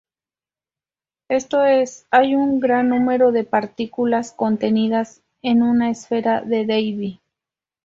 Esto es: hay un gran número de partículas contenidas en una esfera de Debye.